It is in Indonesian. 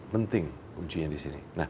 penting kuncinya di sini